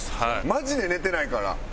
マジで寝てないから。